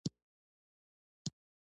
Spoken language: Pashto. په پريوتو ديوالونو خلک ګرځى